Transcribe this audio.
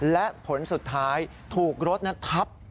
และผลสุดท้ายถูกรถนั้นทับ